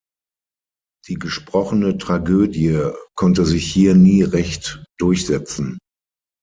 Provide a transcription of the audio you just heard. Die gesprochene Tragödie konnte sich hier nie recht durchsetzen.